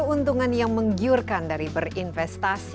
keuntungan yang menggiurkan dari berinvestasi